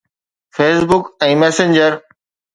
Facebook ۽ Messenger